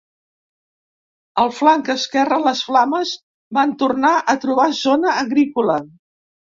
Al flanc esquerre, les flames van tornar a trobar zona agrícola.